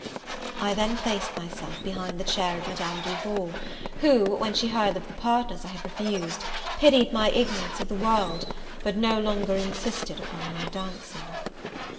I then placed myself behind the chair of Madame Duval: who, when she heard of the partners I had refused, pitied my ignorance of the world, but no longer insisted upon my dancing.